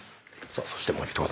さあそしてもう一方。